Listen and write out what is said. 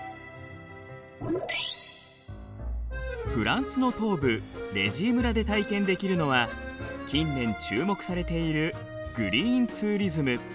フランスの東部レジー村で体験できるのは近年注目されているグリーンツーリズム。